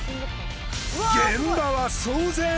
現場は騒然！